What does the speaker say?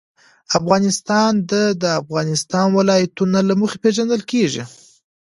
افغانستان د د افغانستان ولايتونه له مخې پېژندل کېږي.